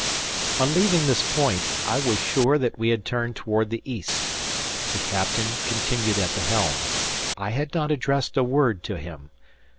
On leaving this point, I was sure that we had turned toward the east. The captain continued at the helm. I had not addressed a word to him.